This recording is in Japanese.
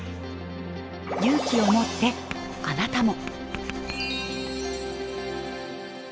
勇気を持ってあなたも。